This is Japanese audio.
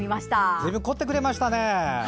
ずいぶん凝ってくれましたね。